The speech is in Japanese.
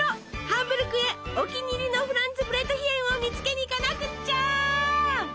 ハンブルクへお気に入りのフランツブレートヒェンを見つけに行かなくっちゃ！